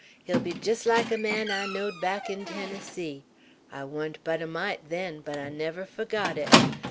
He'll be jest like a man I knowed back in Tennessee. I wa'n't but a mite then, but I never forgot it.